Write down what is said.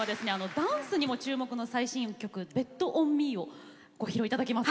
ダンスにも注目の最新曲「ＢｅｔＯｎＭｅ」をご披露頂きます。